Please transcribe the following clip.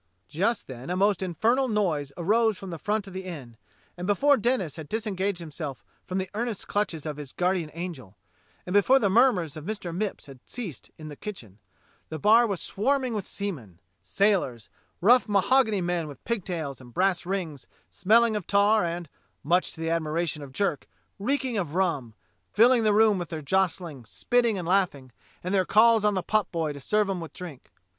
Just then a most infernal noise arose from the front of the inn, and before Denis had disengaged himself from the earnest clutches of his guardian angel, and before the murmurs of ]Mr. IVIipps had ceased in the kitchen, the bar was swarming with seamen — sailors — rough mahogany men with pigtails and brass rings, smelling of tar and, much to the admiration of Jerk, reeking of rum, filling the room with their jostling, spitting, and laughing, and their calls on the potboy to serve 'em with drink.